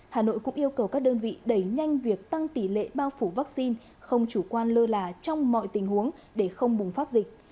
hà nội cũng yêu cầu các đơn vị đẩy nhanh việc tăng tỷ lệ bao phủ vaccine không chủ quan lơ là trong mọi tình huống để không bùng phát dịch